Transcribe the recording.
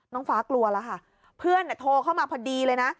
น้องฟ้ากลัวแล้วค่ะเพื่อนโทรเข้ามาพอดีเลยนะ